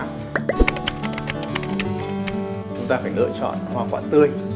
chúng ta phải lựa chọn hoa quả tươi